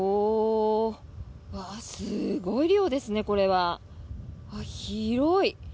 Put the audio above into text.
すごい量ですね、これは。広い。